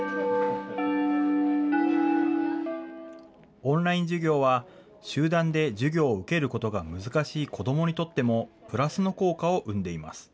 オンライン授業は、集団で授業を受けることが難しい子どもにとってもプラスの効果を生んでいます。